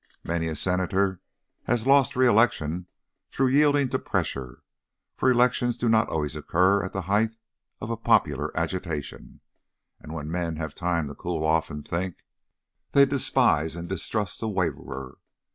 Many a Senator has lost re election through yielding to pressure, for elections do not always occur at the height of a popular agitation; and when men have had time to cool off and think, they despise and distrust the waverer.